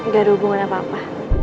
tidak ada hubungan apa apa